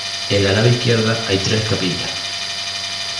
En la nave izquierda hay tres capillas.